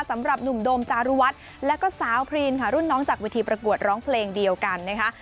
สำหรับหนุ่มโดมจารุวัฒน์แล้วก็สาวพรีนค่ะรุ่นน้องจากวิธีประกวดร้องเพลงเดียวกันนะคะ